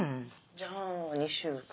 じゃあ２週間？